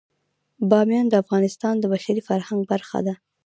بامیان د افغانستان د بشري فرهنګ برخه ده.